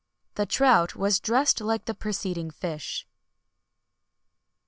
[XXI 145] The trout was dressed like the preceding fish.